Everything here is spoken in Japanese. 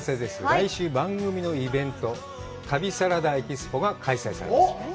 来週、番組のイベント、「旅サラダＥＸＰＯ」が開催されます。